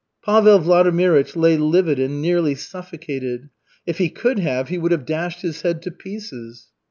Pavel Vladimirych lay livid and nearly suffocated. If he could have, he would have dashed his head to pieces.